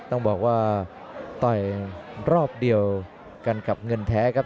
ต้องบอกว่าต่อยรอบเดียวกันกับเงินแท้ครับ